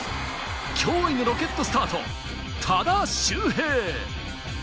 驚異のロケットスタート、多田修平。